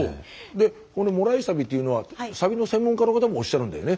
でこの「もらいサビ」というのはサビの専門家の方もおっしゃるんだよね。